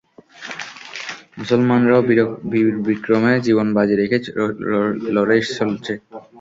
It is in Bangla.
মুসলমানরাও বীরবিক্রমে জীবনবাজি রেখে লড়ে চলছে।